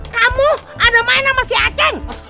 kamu ada main sama si acing